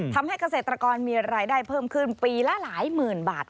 ทำให้เกษตรกรมีรายได้เพิ่มขึ้นปีละหลายหมื่นบาท